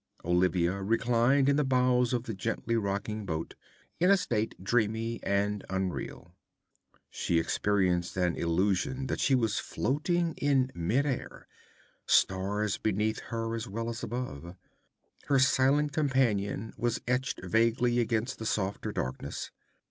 Olivia reclined in the bows of the gently rocking boat, in a state dreamy and unreal. She experienced an illusion that she was floating in midair, stars beneath her as well as above. Her silent companion was etched vaguely against the softer darkness.